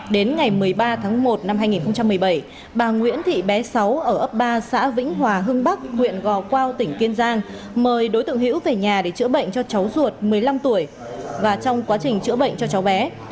đến ngày một mươi ba tháng một năm hai nghìn một mươi bảy bà nguyễn thị bé sáu ở ấp ba xã vĩnh hòa hưng bắc huyện gò quao tỉnh kiên giang mời đối tượng hiễu về nhà để chữa bệnh cho cháu ruột một mươi năm tuổi và trong quá trình chữa bệnh cho cháu bé